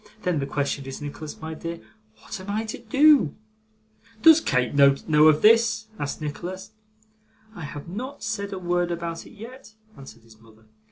Then, the question is, Nicholas my dear, what am I to do?' 'Does Kate know of this?' asked Nicholas. 'I have not said a word about it yet,' answered his mother.